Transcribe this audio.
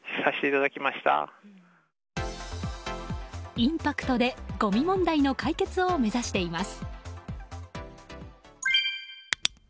インパクトでごみ問題の解決を目指しています。